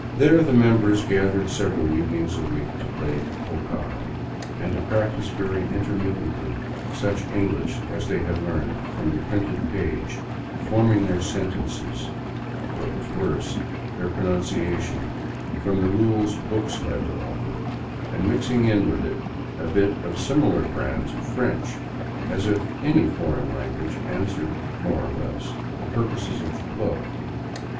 There the members gathered several evenings a week to play " pocar," and to practice very intermittently such English as they had learned from the printed page, forming their sentences and — what was worse — their pronun ciation from the rules books had to offer, and mixing In with It a bit of a similar brand of French, as If any foreign language answered more or less the purposes of the club.